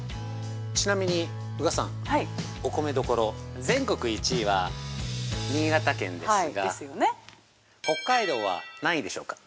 ◆ちなみに、宇賀さんお米どころ全国１位は新潟県ですが北海道は何位でしょうか。